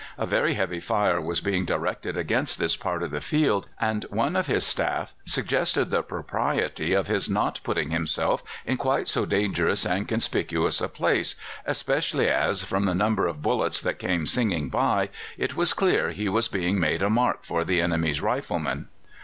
A very heavy fire was being directed against this part of the field, and one of his staff suggested the propriety of his not putting himself in quite so dangerous and conspicuous a place, especially as, from the number of bullets that came singing by, it was clear he was being made a mark for the enemy's riflemen.